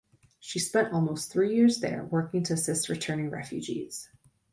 She spent almost three years there, working to assist returning refugees.